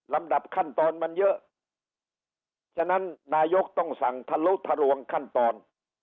ดับขั้นตอนมันเยอะฉะนั้นนายกต้องสั่งทะลุทะลวงขั้นตอน